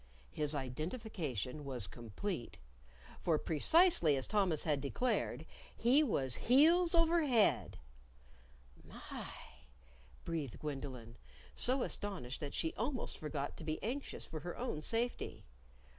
His identification was complete. For precisely as Thomas had declared, he was heels over head. "My!" breathed Gwendolyn, so astonished that she almost forgot to be anxious for her own safety.